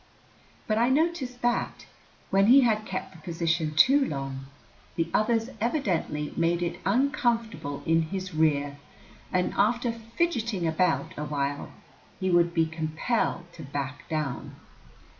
But I noticed that, when he had kept the position too long, the others evidently made it uncomfortable in his rear, and, after "fidgeting" about awhile, he would be compelled to "back down."